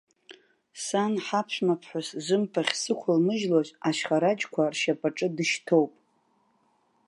Сан, ҳаԥшәмаԥҳәыс зымԥахь сықәылмыжьлоз ашьхараџьқәа ршьапаҿы дышьҭоуп.